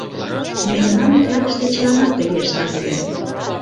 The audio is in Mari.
— Мемнан отрядыште чыланат тыге ыштат ыле.